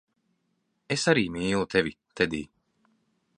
Es arī mīlu tevi, Tedij.